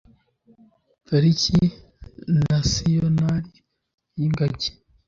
pariki nasiyonali yi ngagi